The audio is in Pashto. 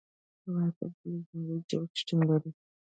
په افغانستان کې لمریز ځواک شتون لري.